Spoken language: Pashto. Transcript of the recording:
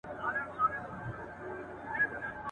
زما سره به څرنګه سیالي کوې رقیبه !.